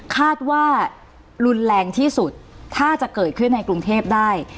คาดว่ารุนแรงที่สุดถ้าจะเกิดขึ้นในกรุงเทพได้